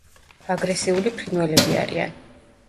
აგრესიული ფრინველები არიან.